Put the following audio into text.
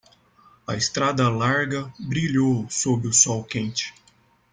A estrada larga brilhou sob o sol quente.